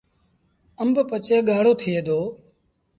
آݩب پچي ڳآڙو ٿئي دو۔